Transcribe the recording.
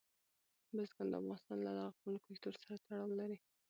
بزګان د افغانستان له لرغوني کلتور سره تړاو لري.